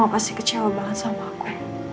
mama pasti kecewa banget sama aku